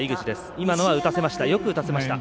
今のはよく打たせました。